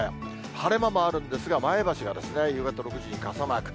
晴れ間もあるんですが、前橋は夕方６時に傘マーク。